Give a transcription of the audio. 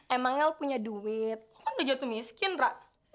emangnya lo punya duit lo kan udah jatuh miskin ra